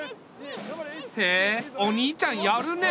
へえお兄ちゃんやるねえ。